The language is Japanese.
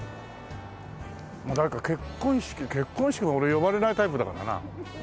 誰か結婚式結婚式も俺呼ばれないタイプだからな。